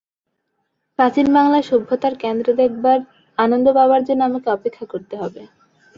প্রাচীন বাঙলার সভ্যতার কেন্দ্র দেখবার আনন্দ পাবার জন্য আমাকে অপেক্ষা করতে হবে।